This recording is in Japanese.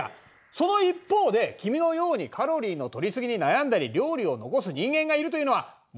その一方で君のようにカロリーのとり過ぎに悩んだり料理を残す人間がいるというのは問題だと思わんかね。